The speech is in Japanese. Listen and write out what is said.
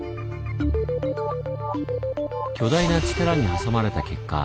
巨大な力に挟まれた結果